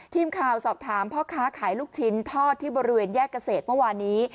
ทีมข่าวสอบถามพ่อค้าขายลูกชิ้นทอดที่บริเวณแยกเกษตรเมื่อวานนี้